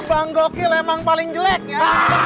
bang gokil emang paling jelek ya